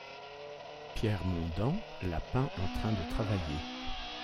Pierre Mondan l'a peint en train de travailler.